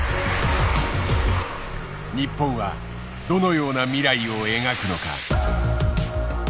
日本はどのような未来を描くのか。